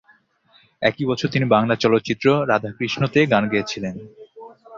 একই বছর তিনি বাংলা চলচ্চিত্র "রাধাকৃষ্ণ" তে গান গেয়েছিলেন।